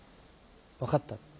「分かった」